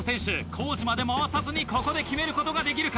コージまで回さずにここで決めることができるか？